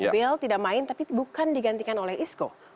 mobil tidak main tapi bukan digantikan oleh isco